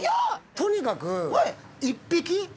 とにかく一匹！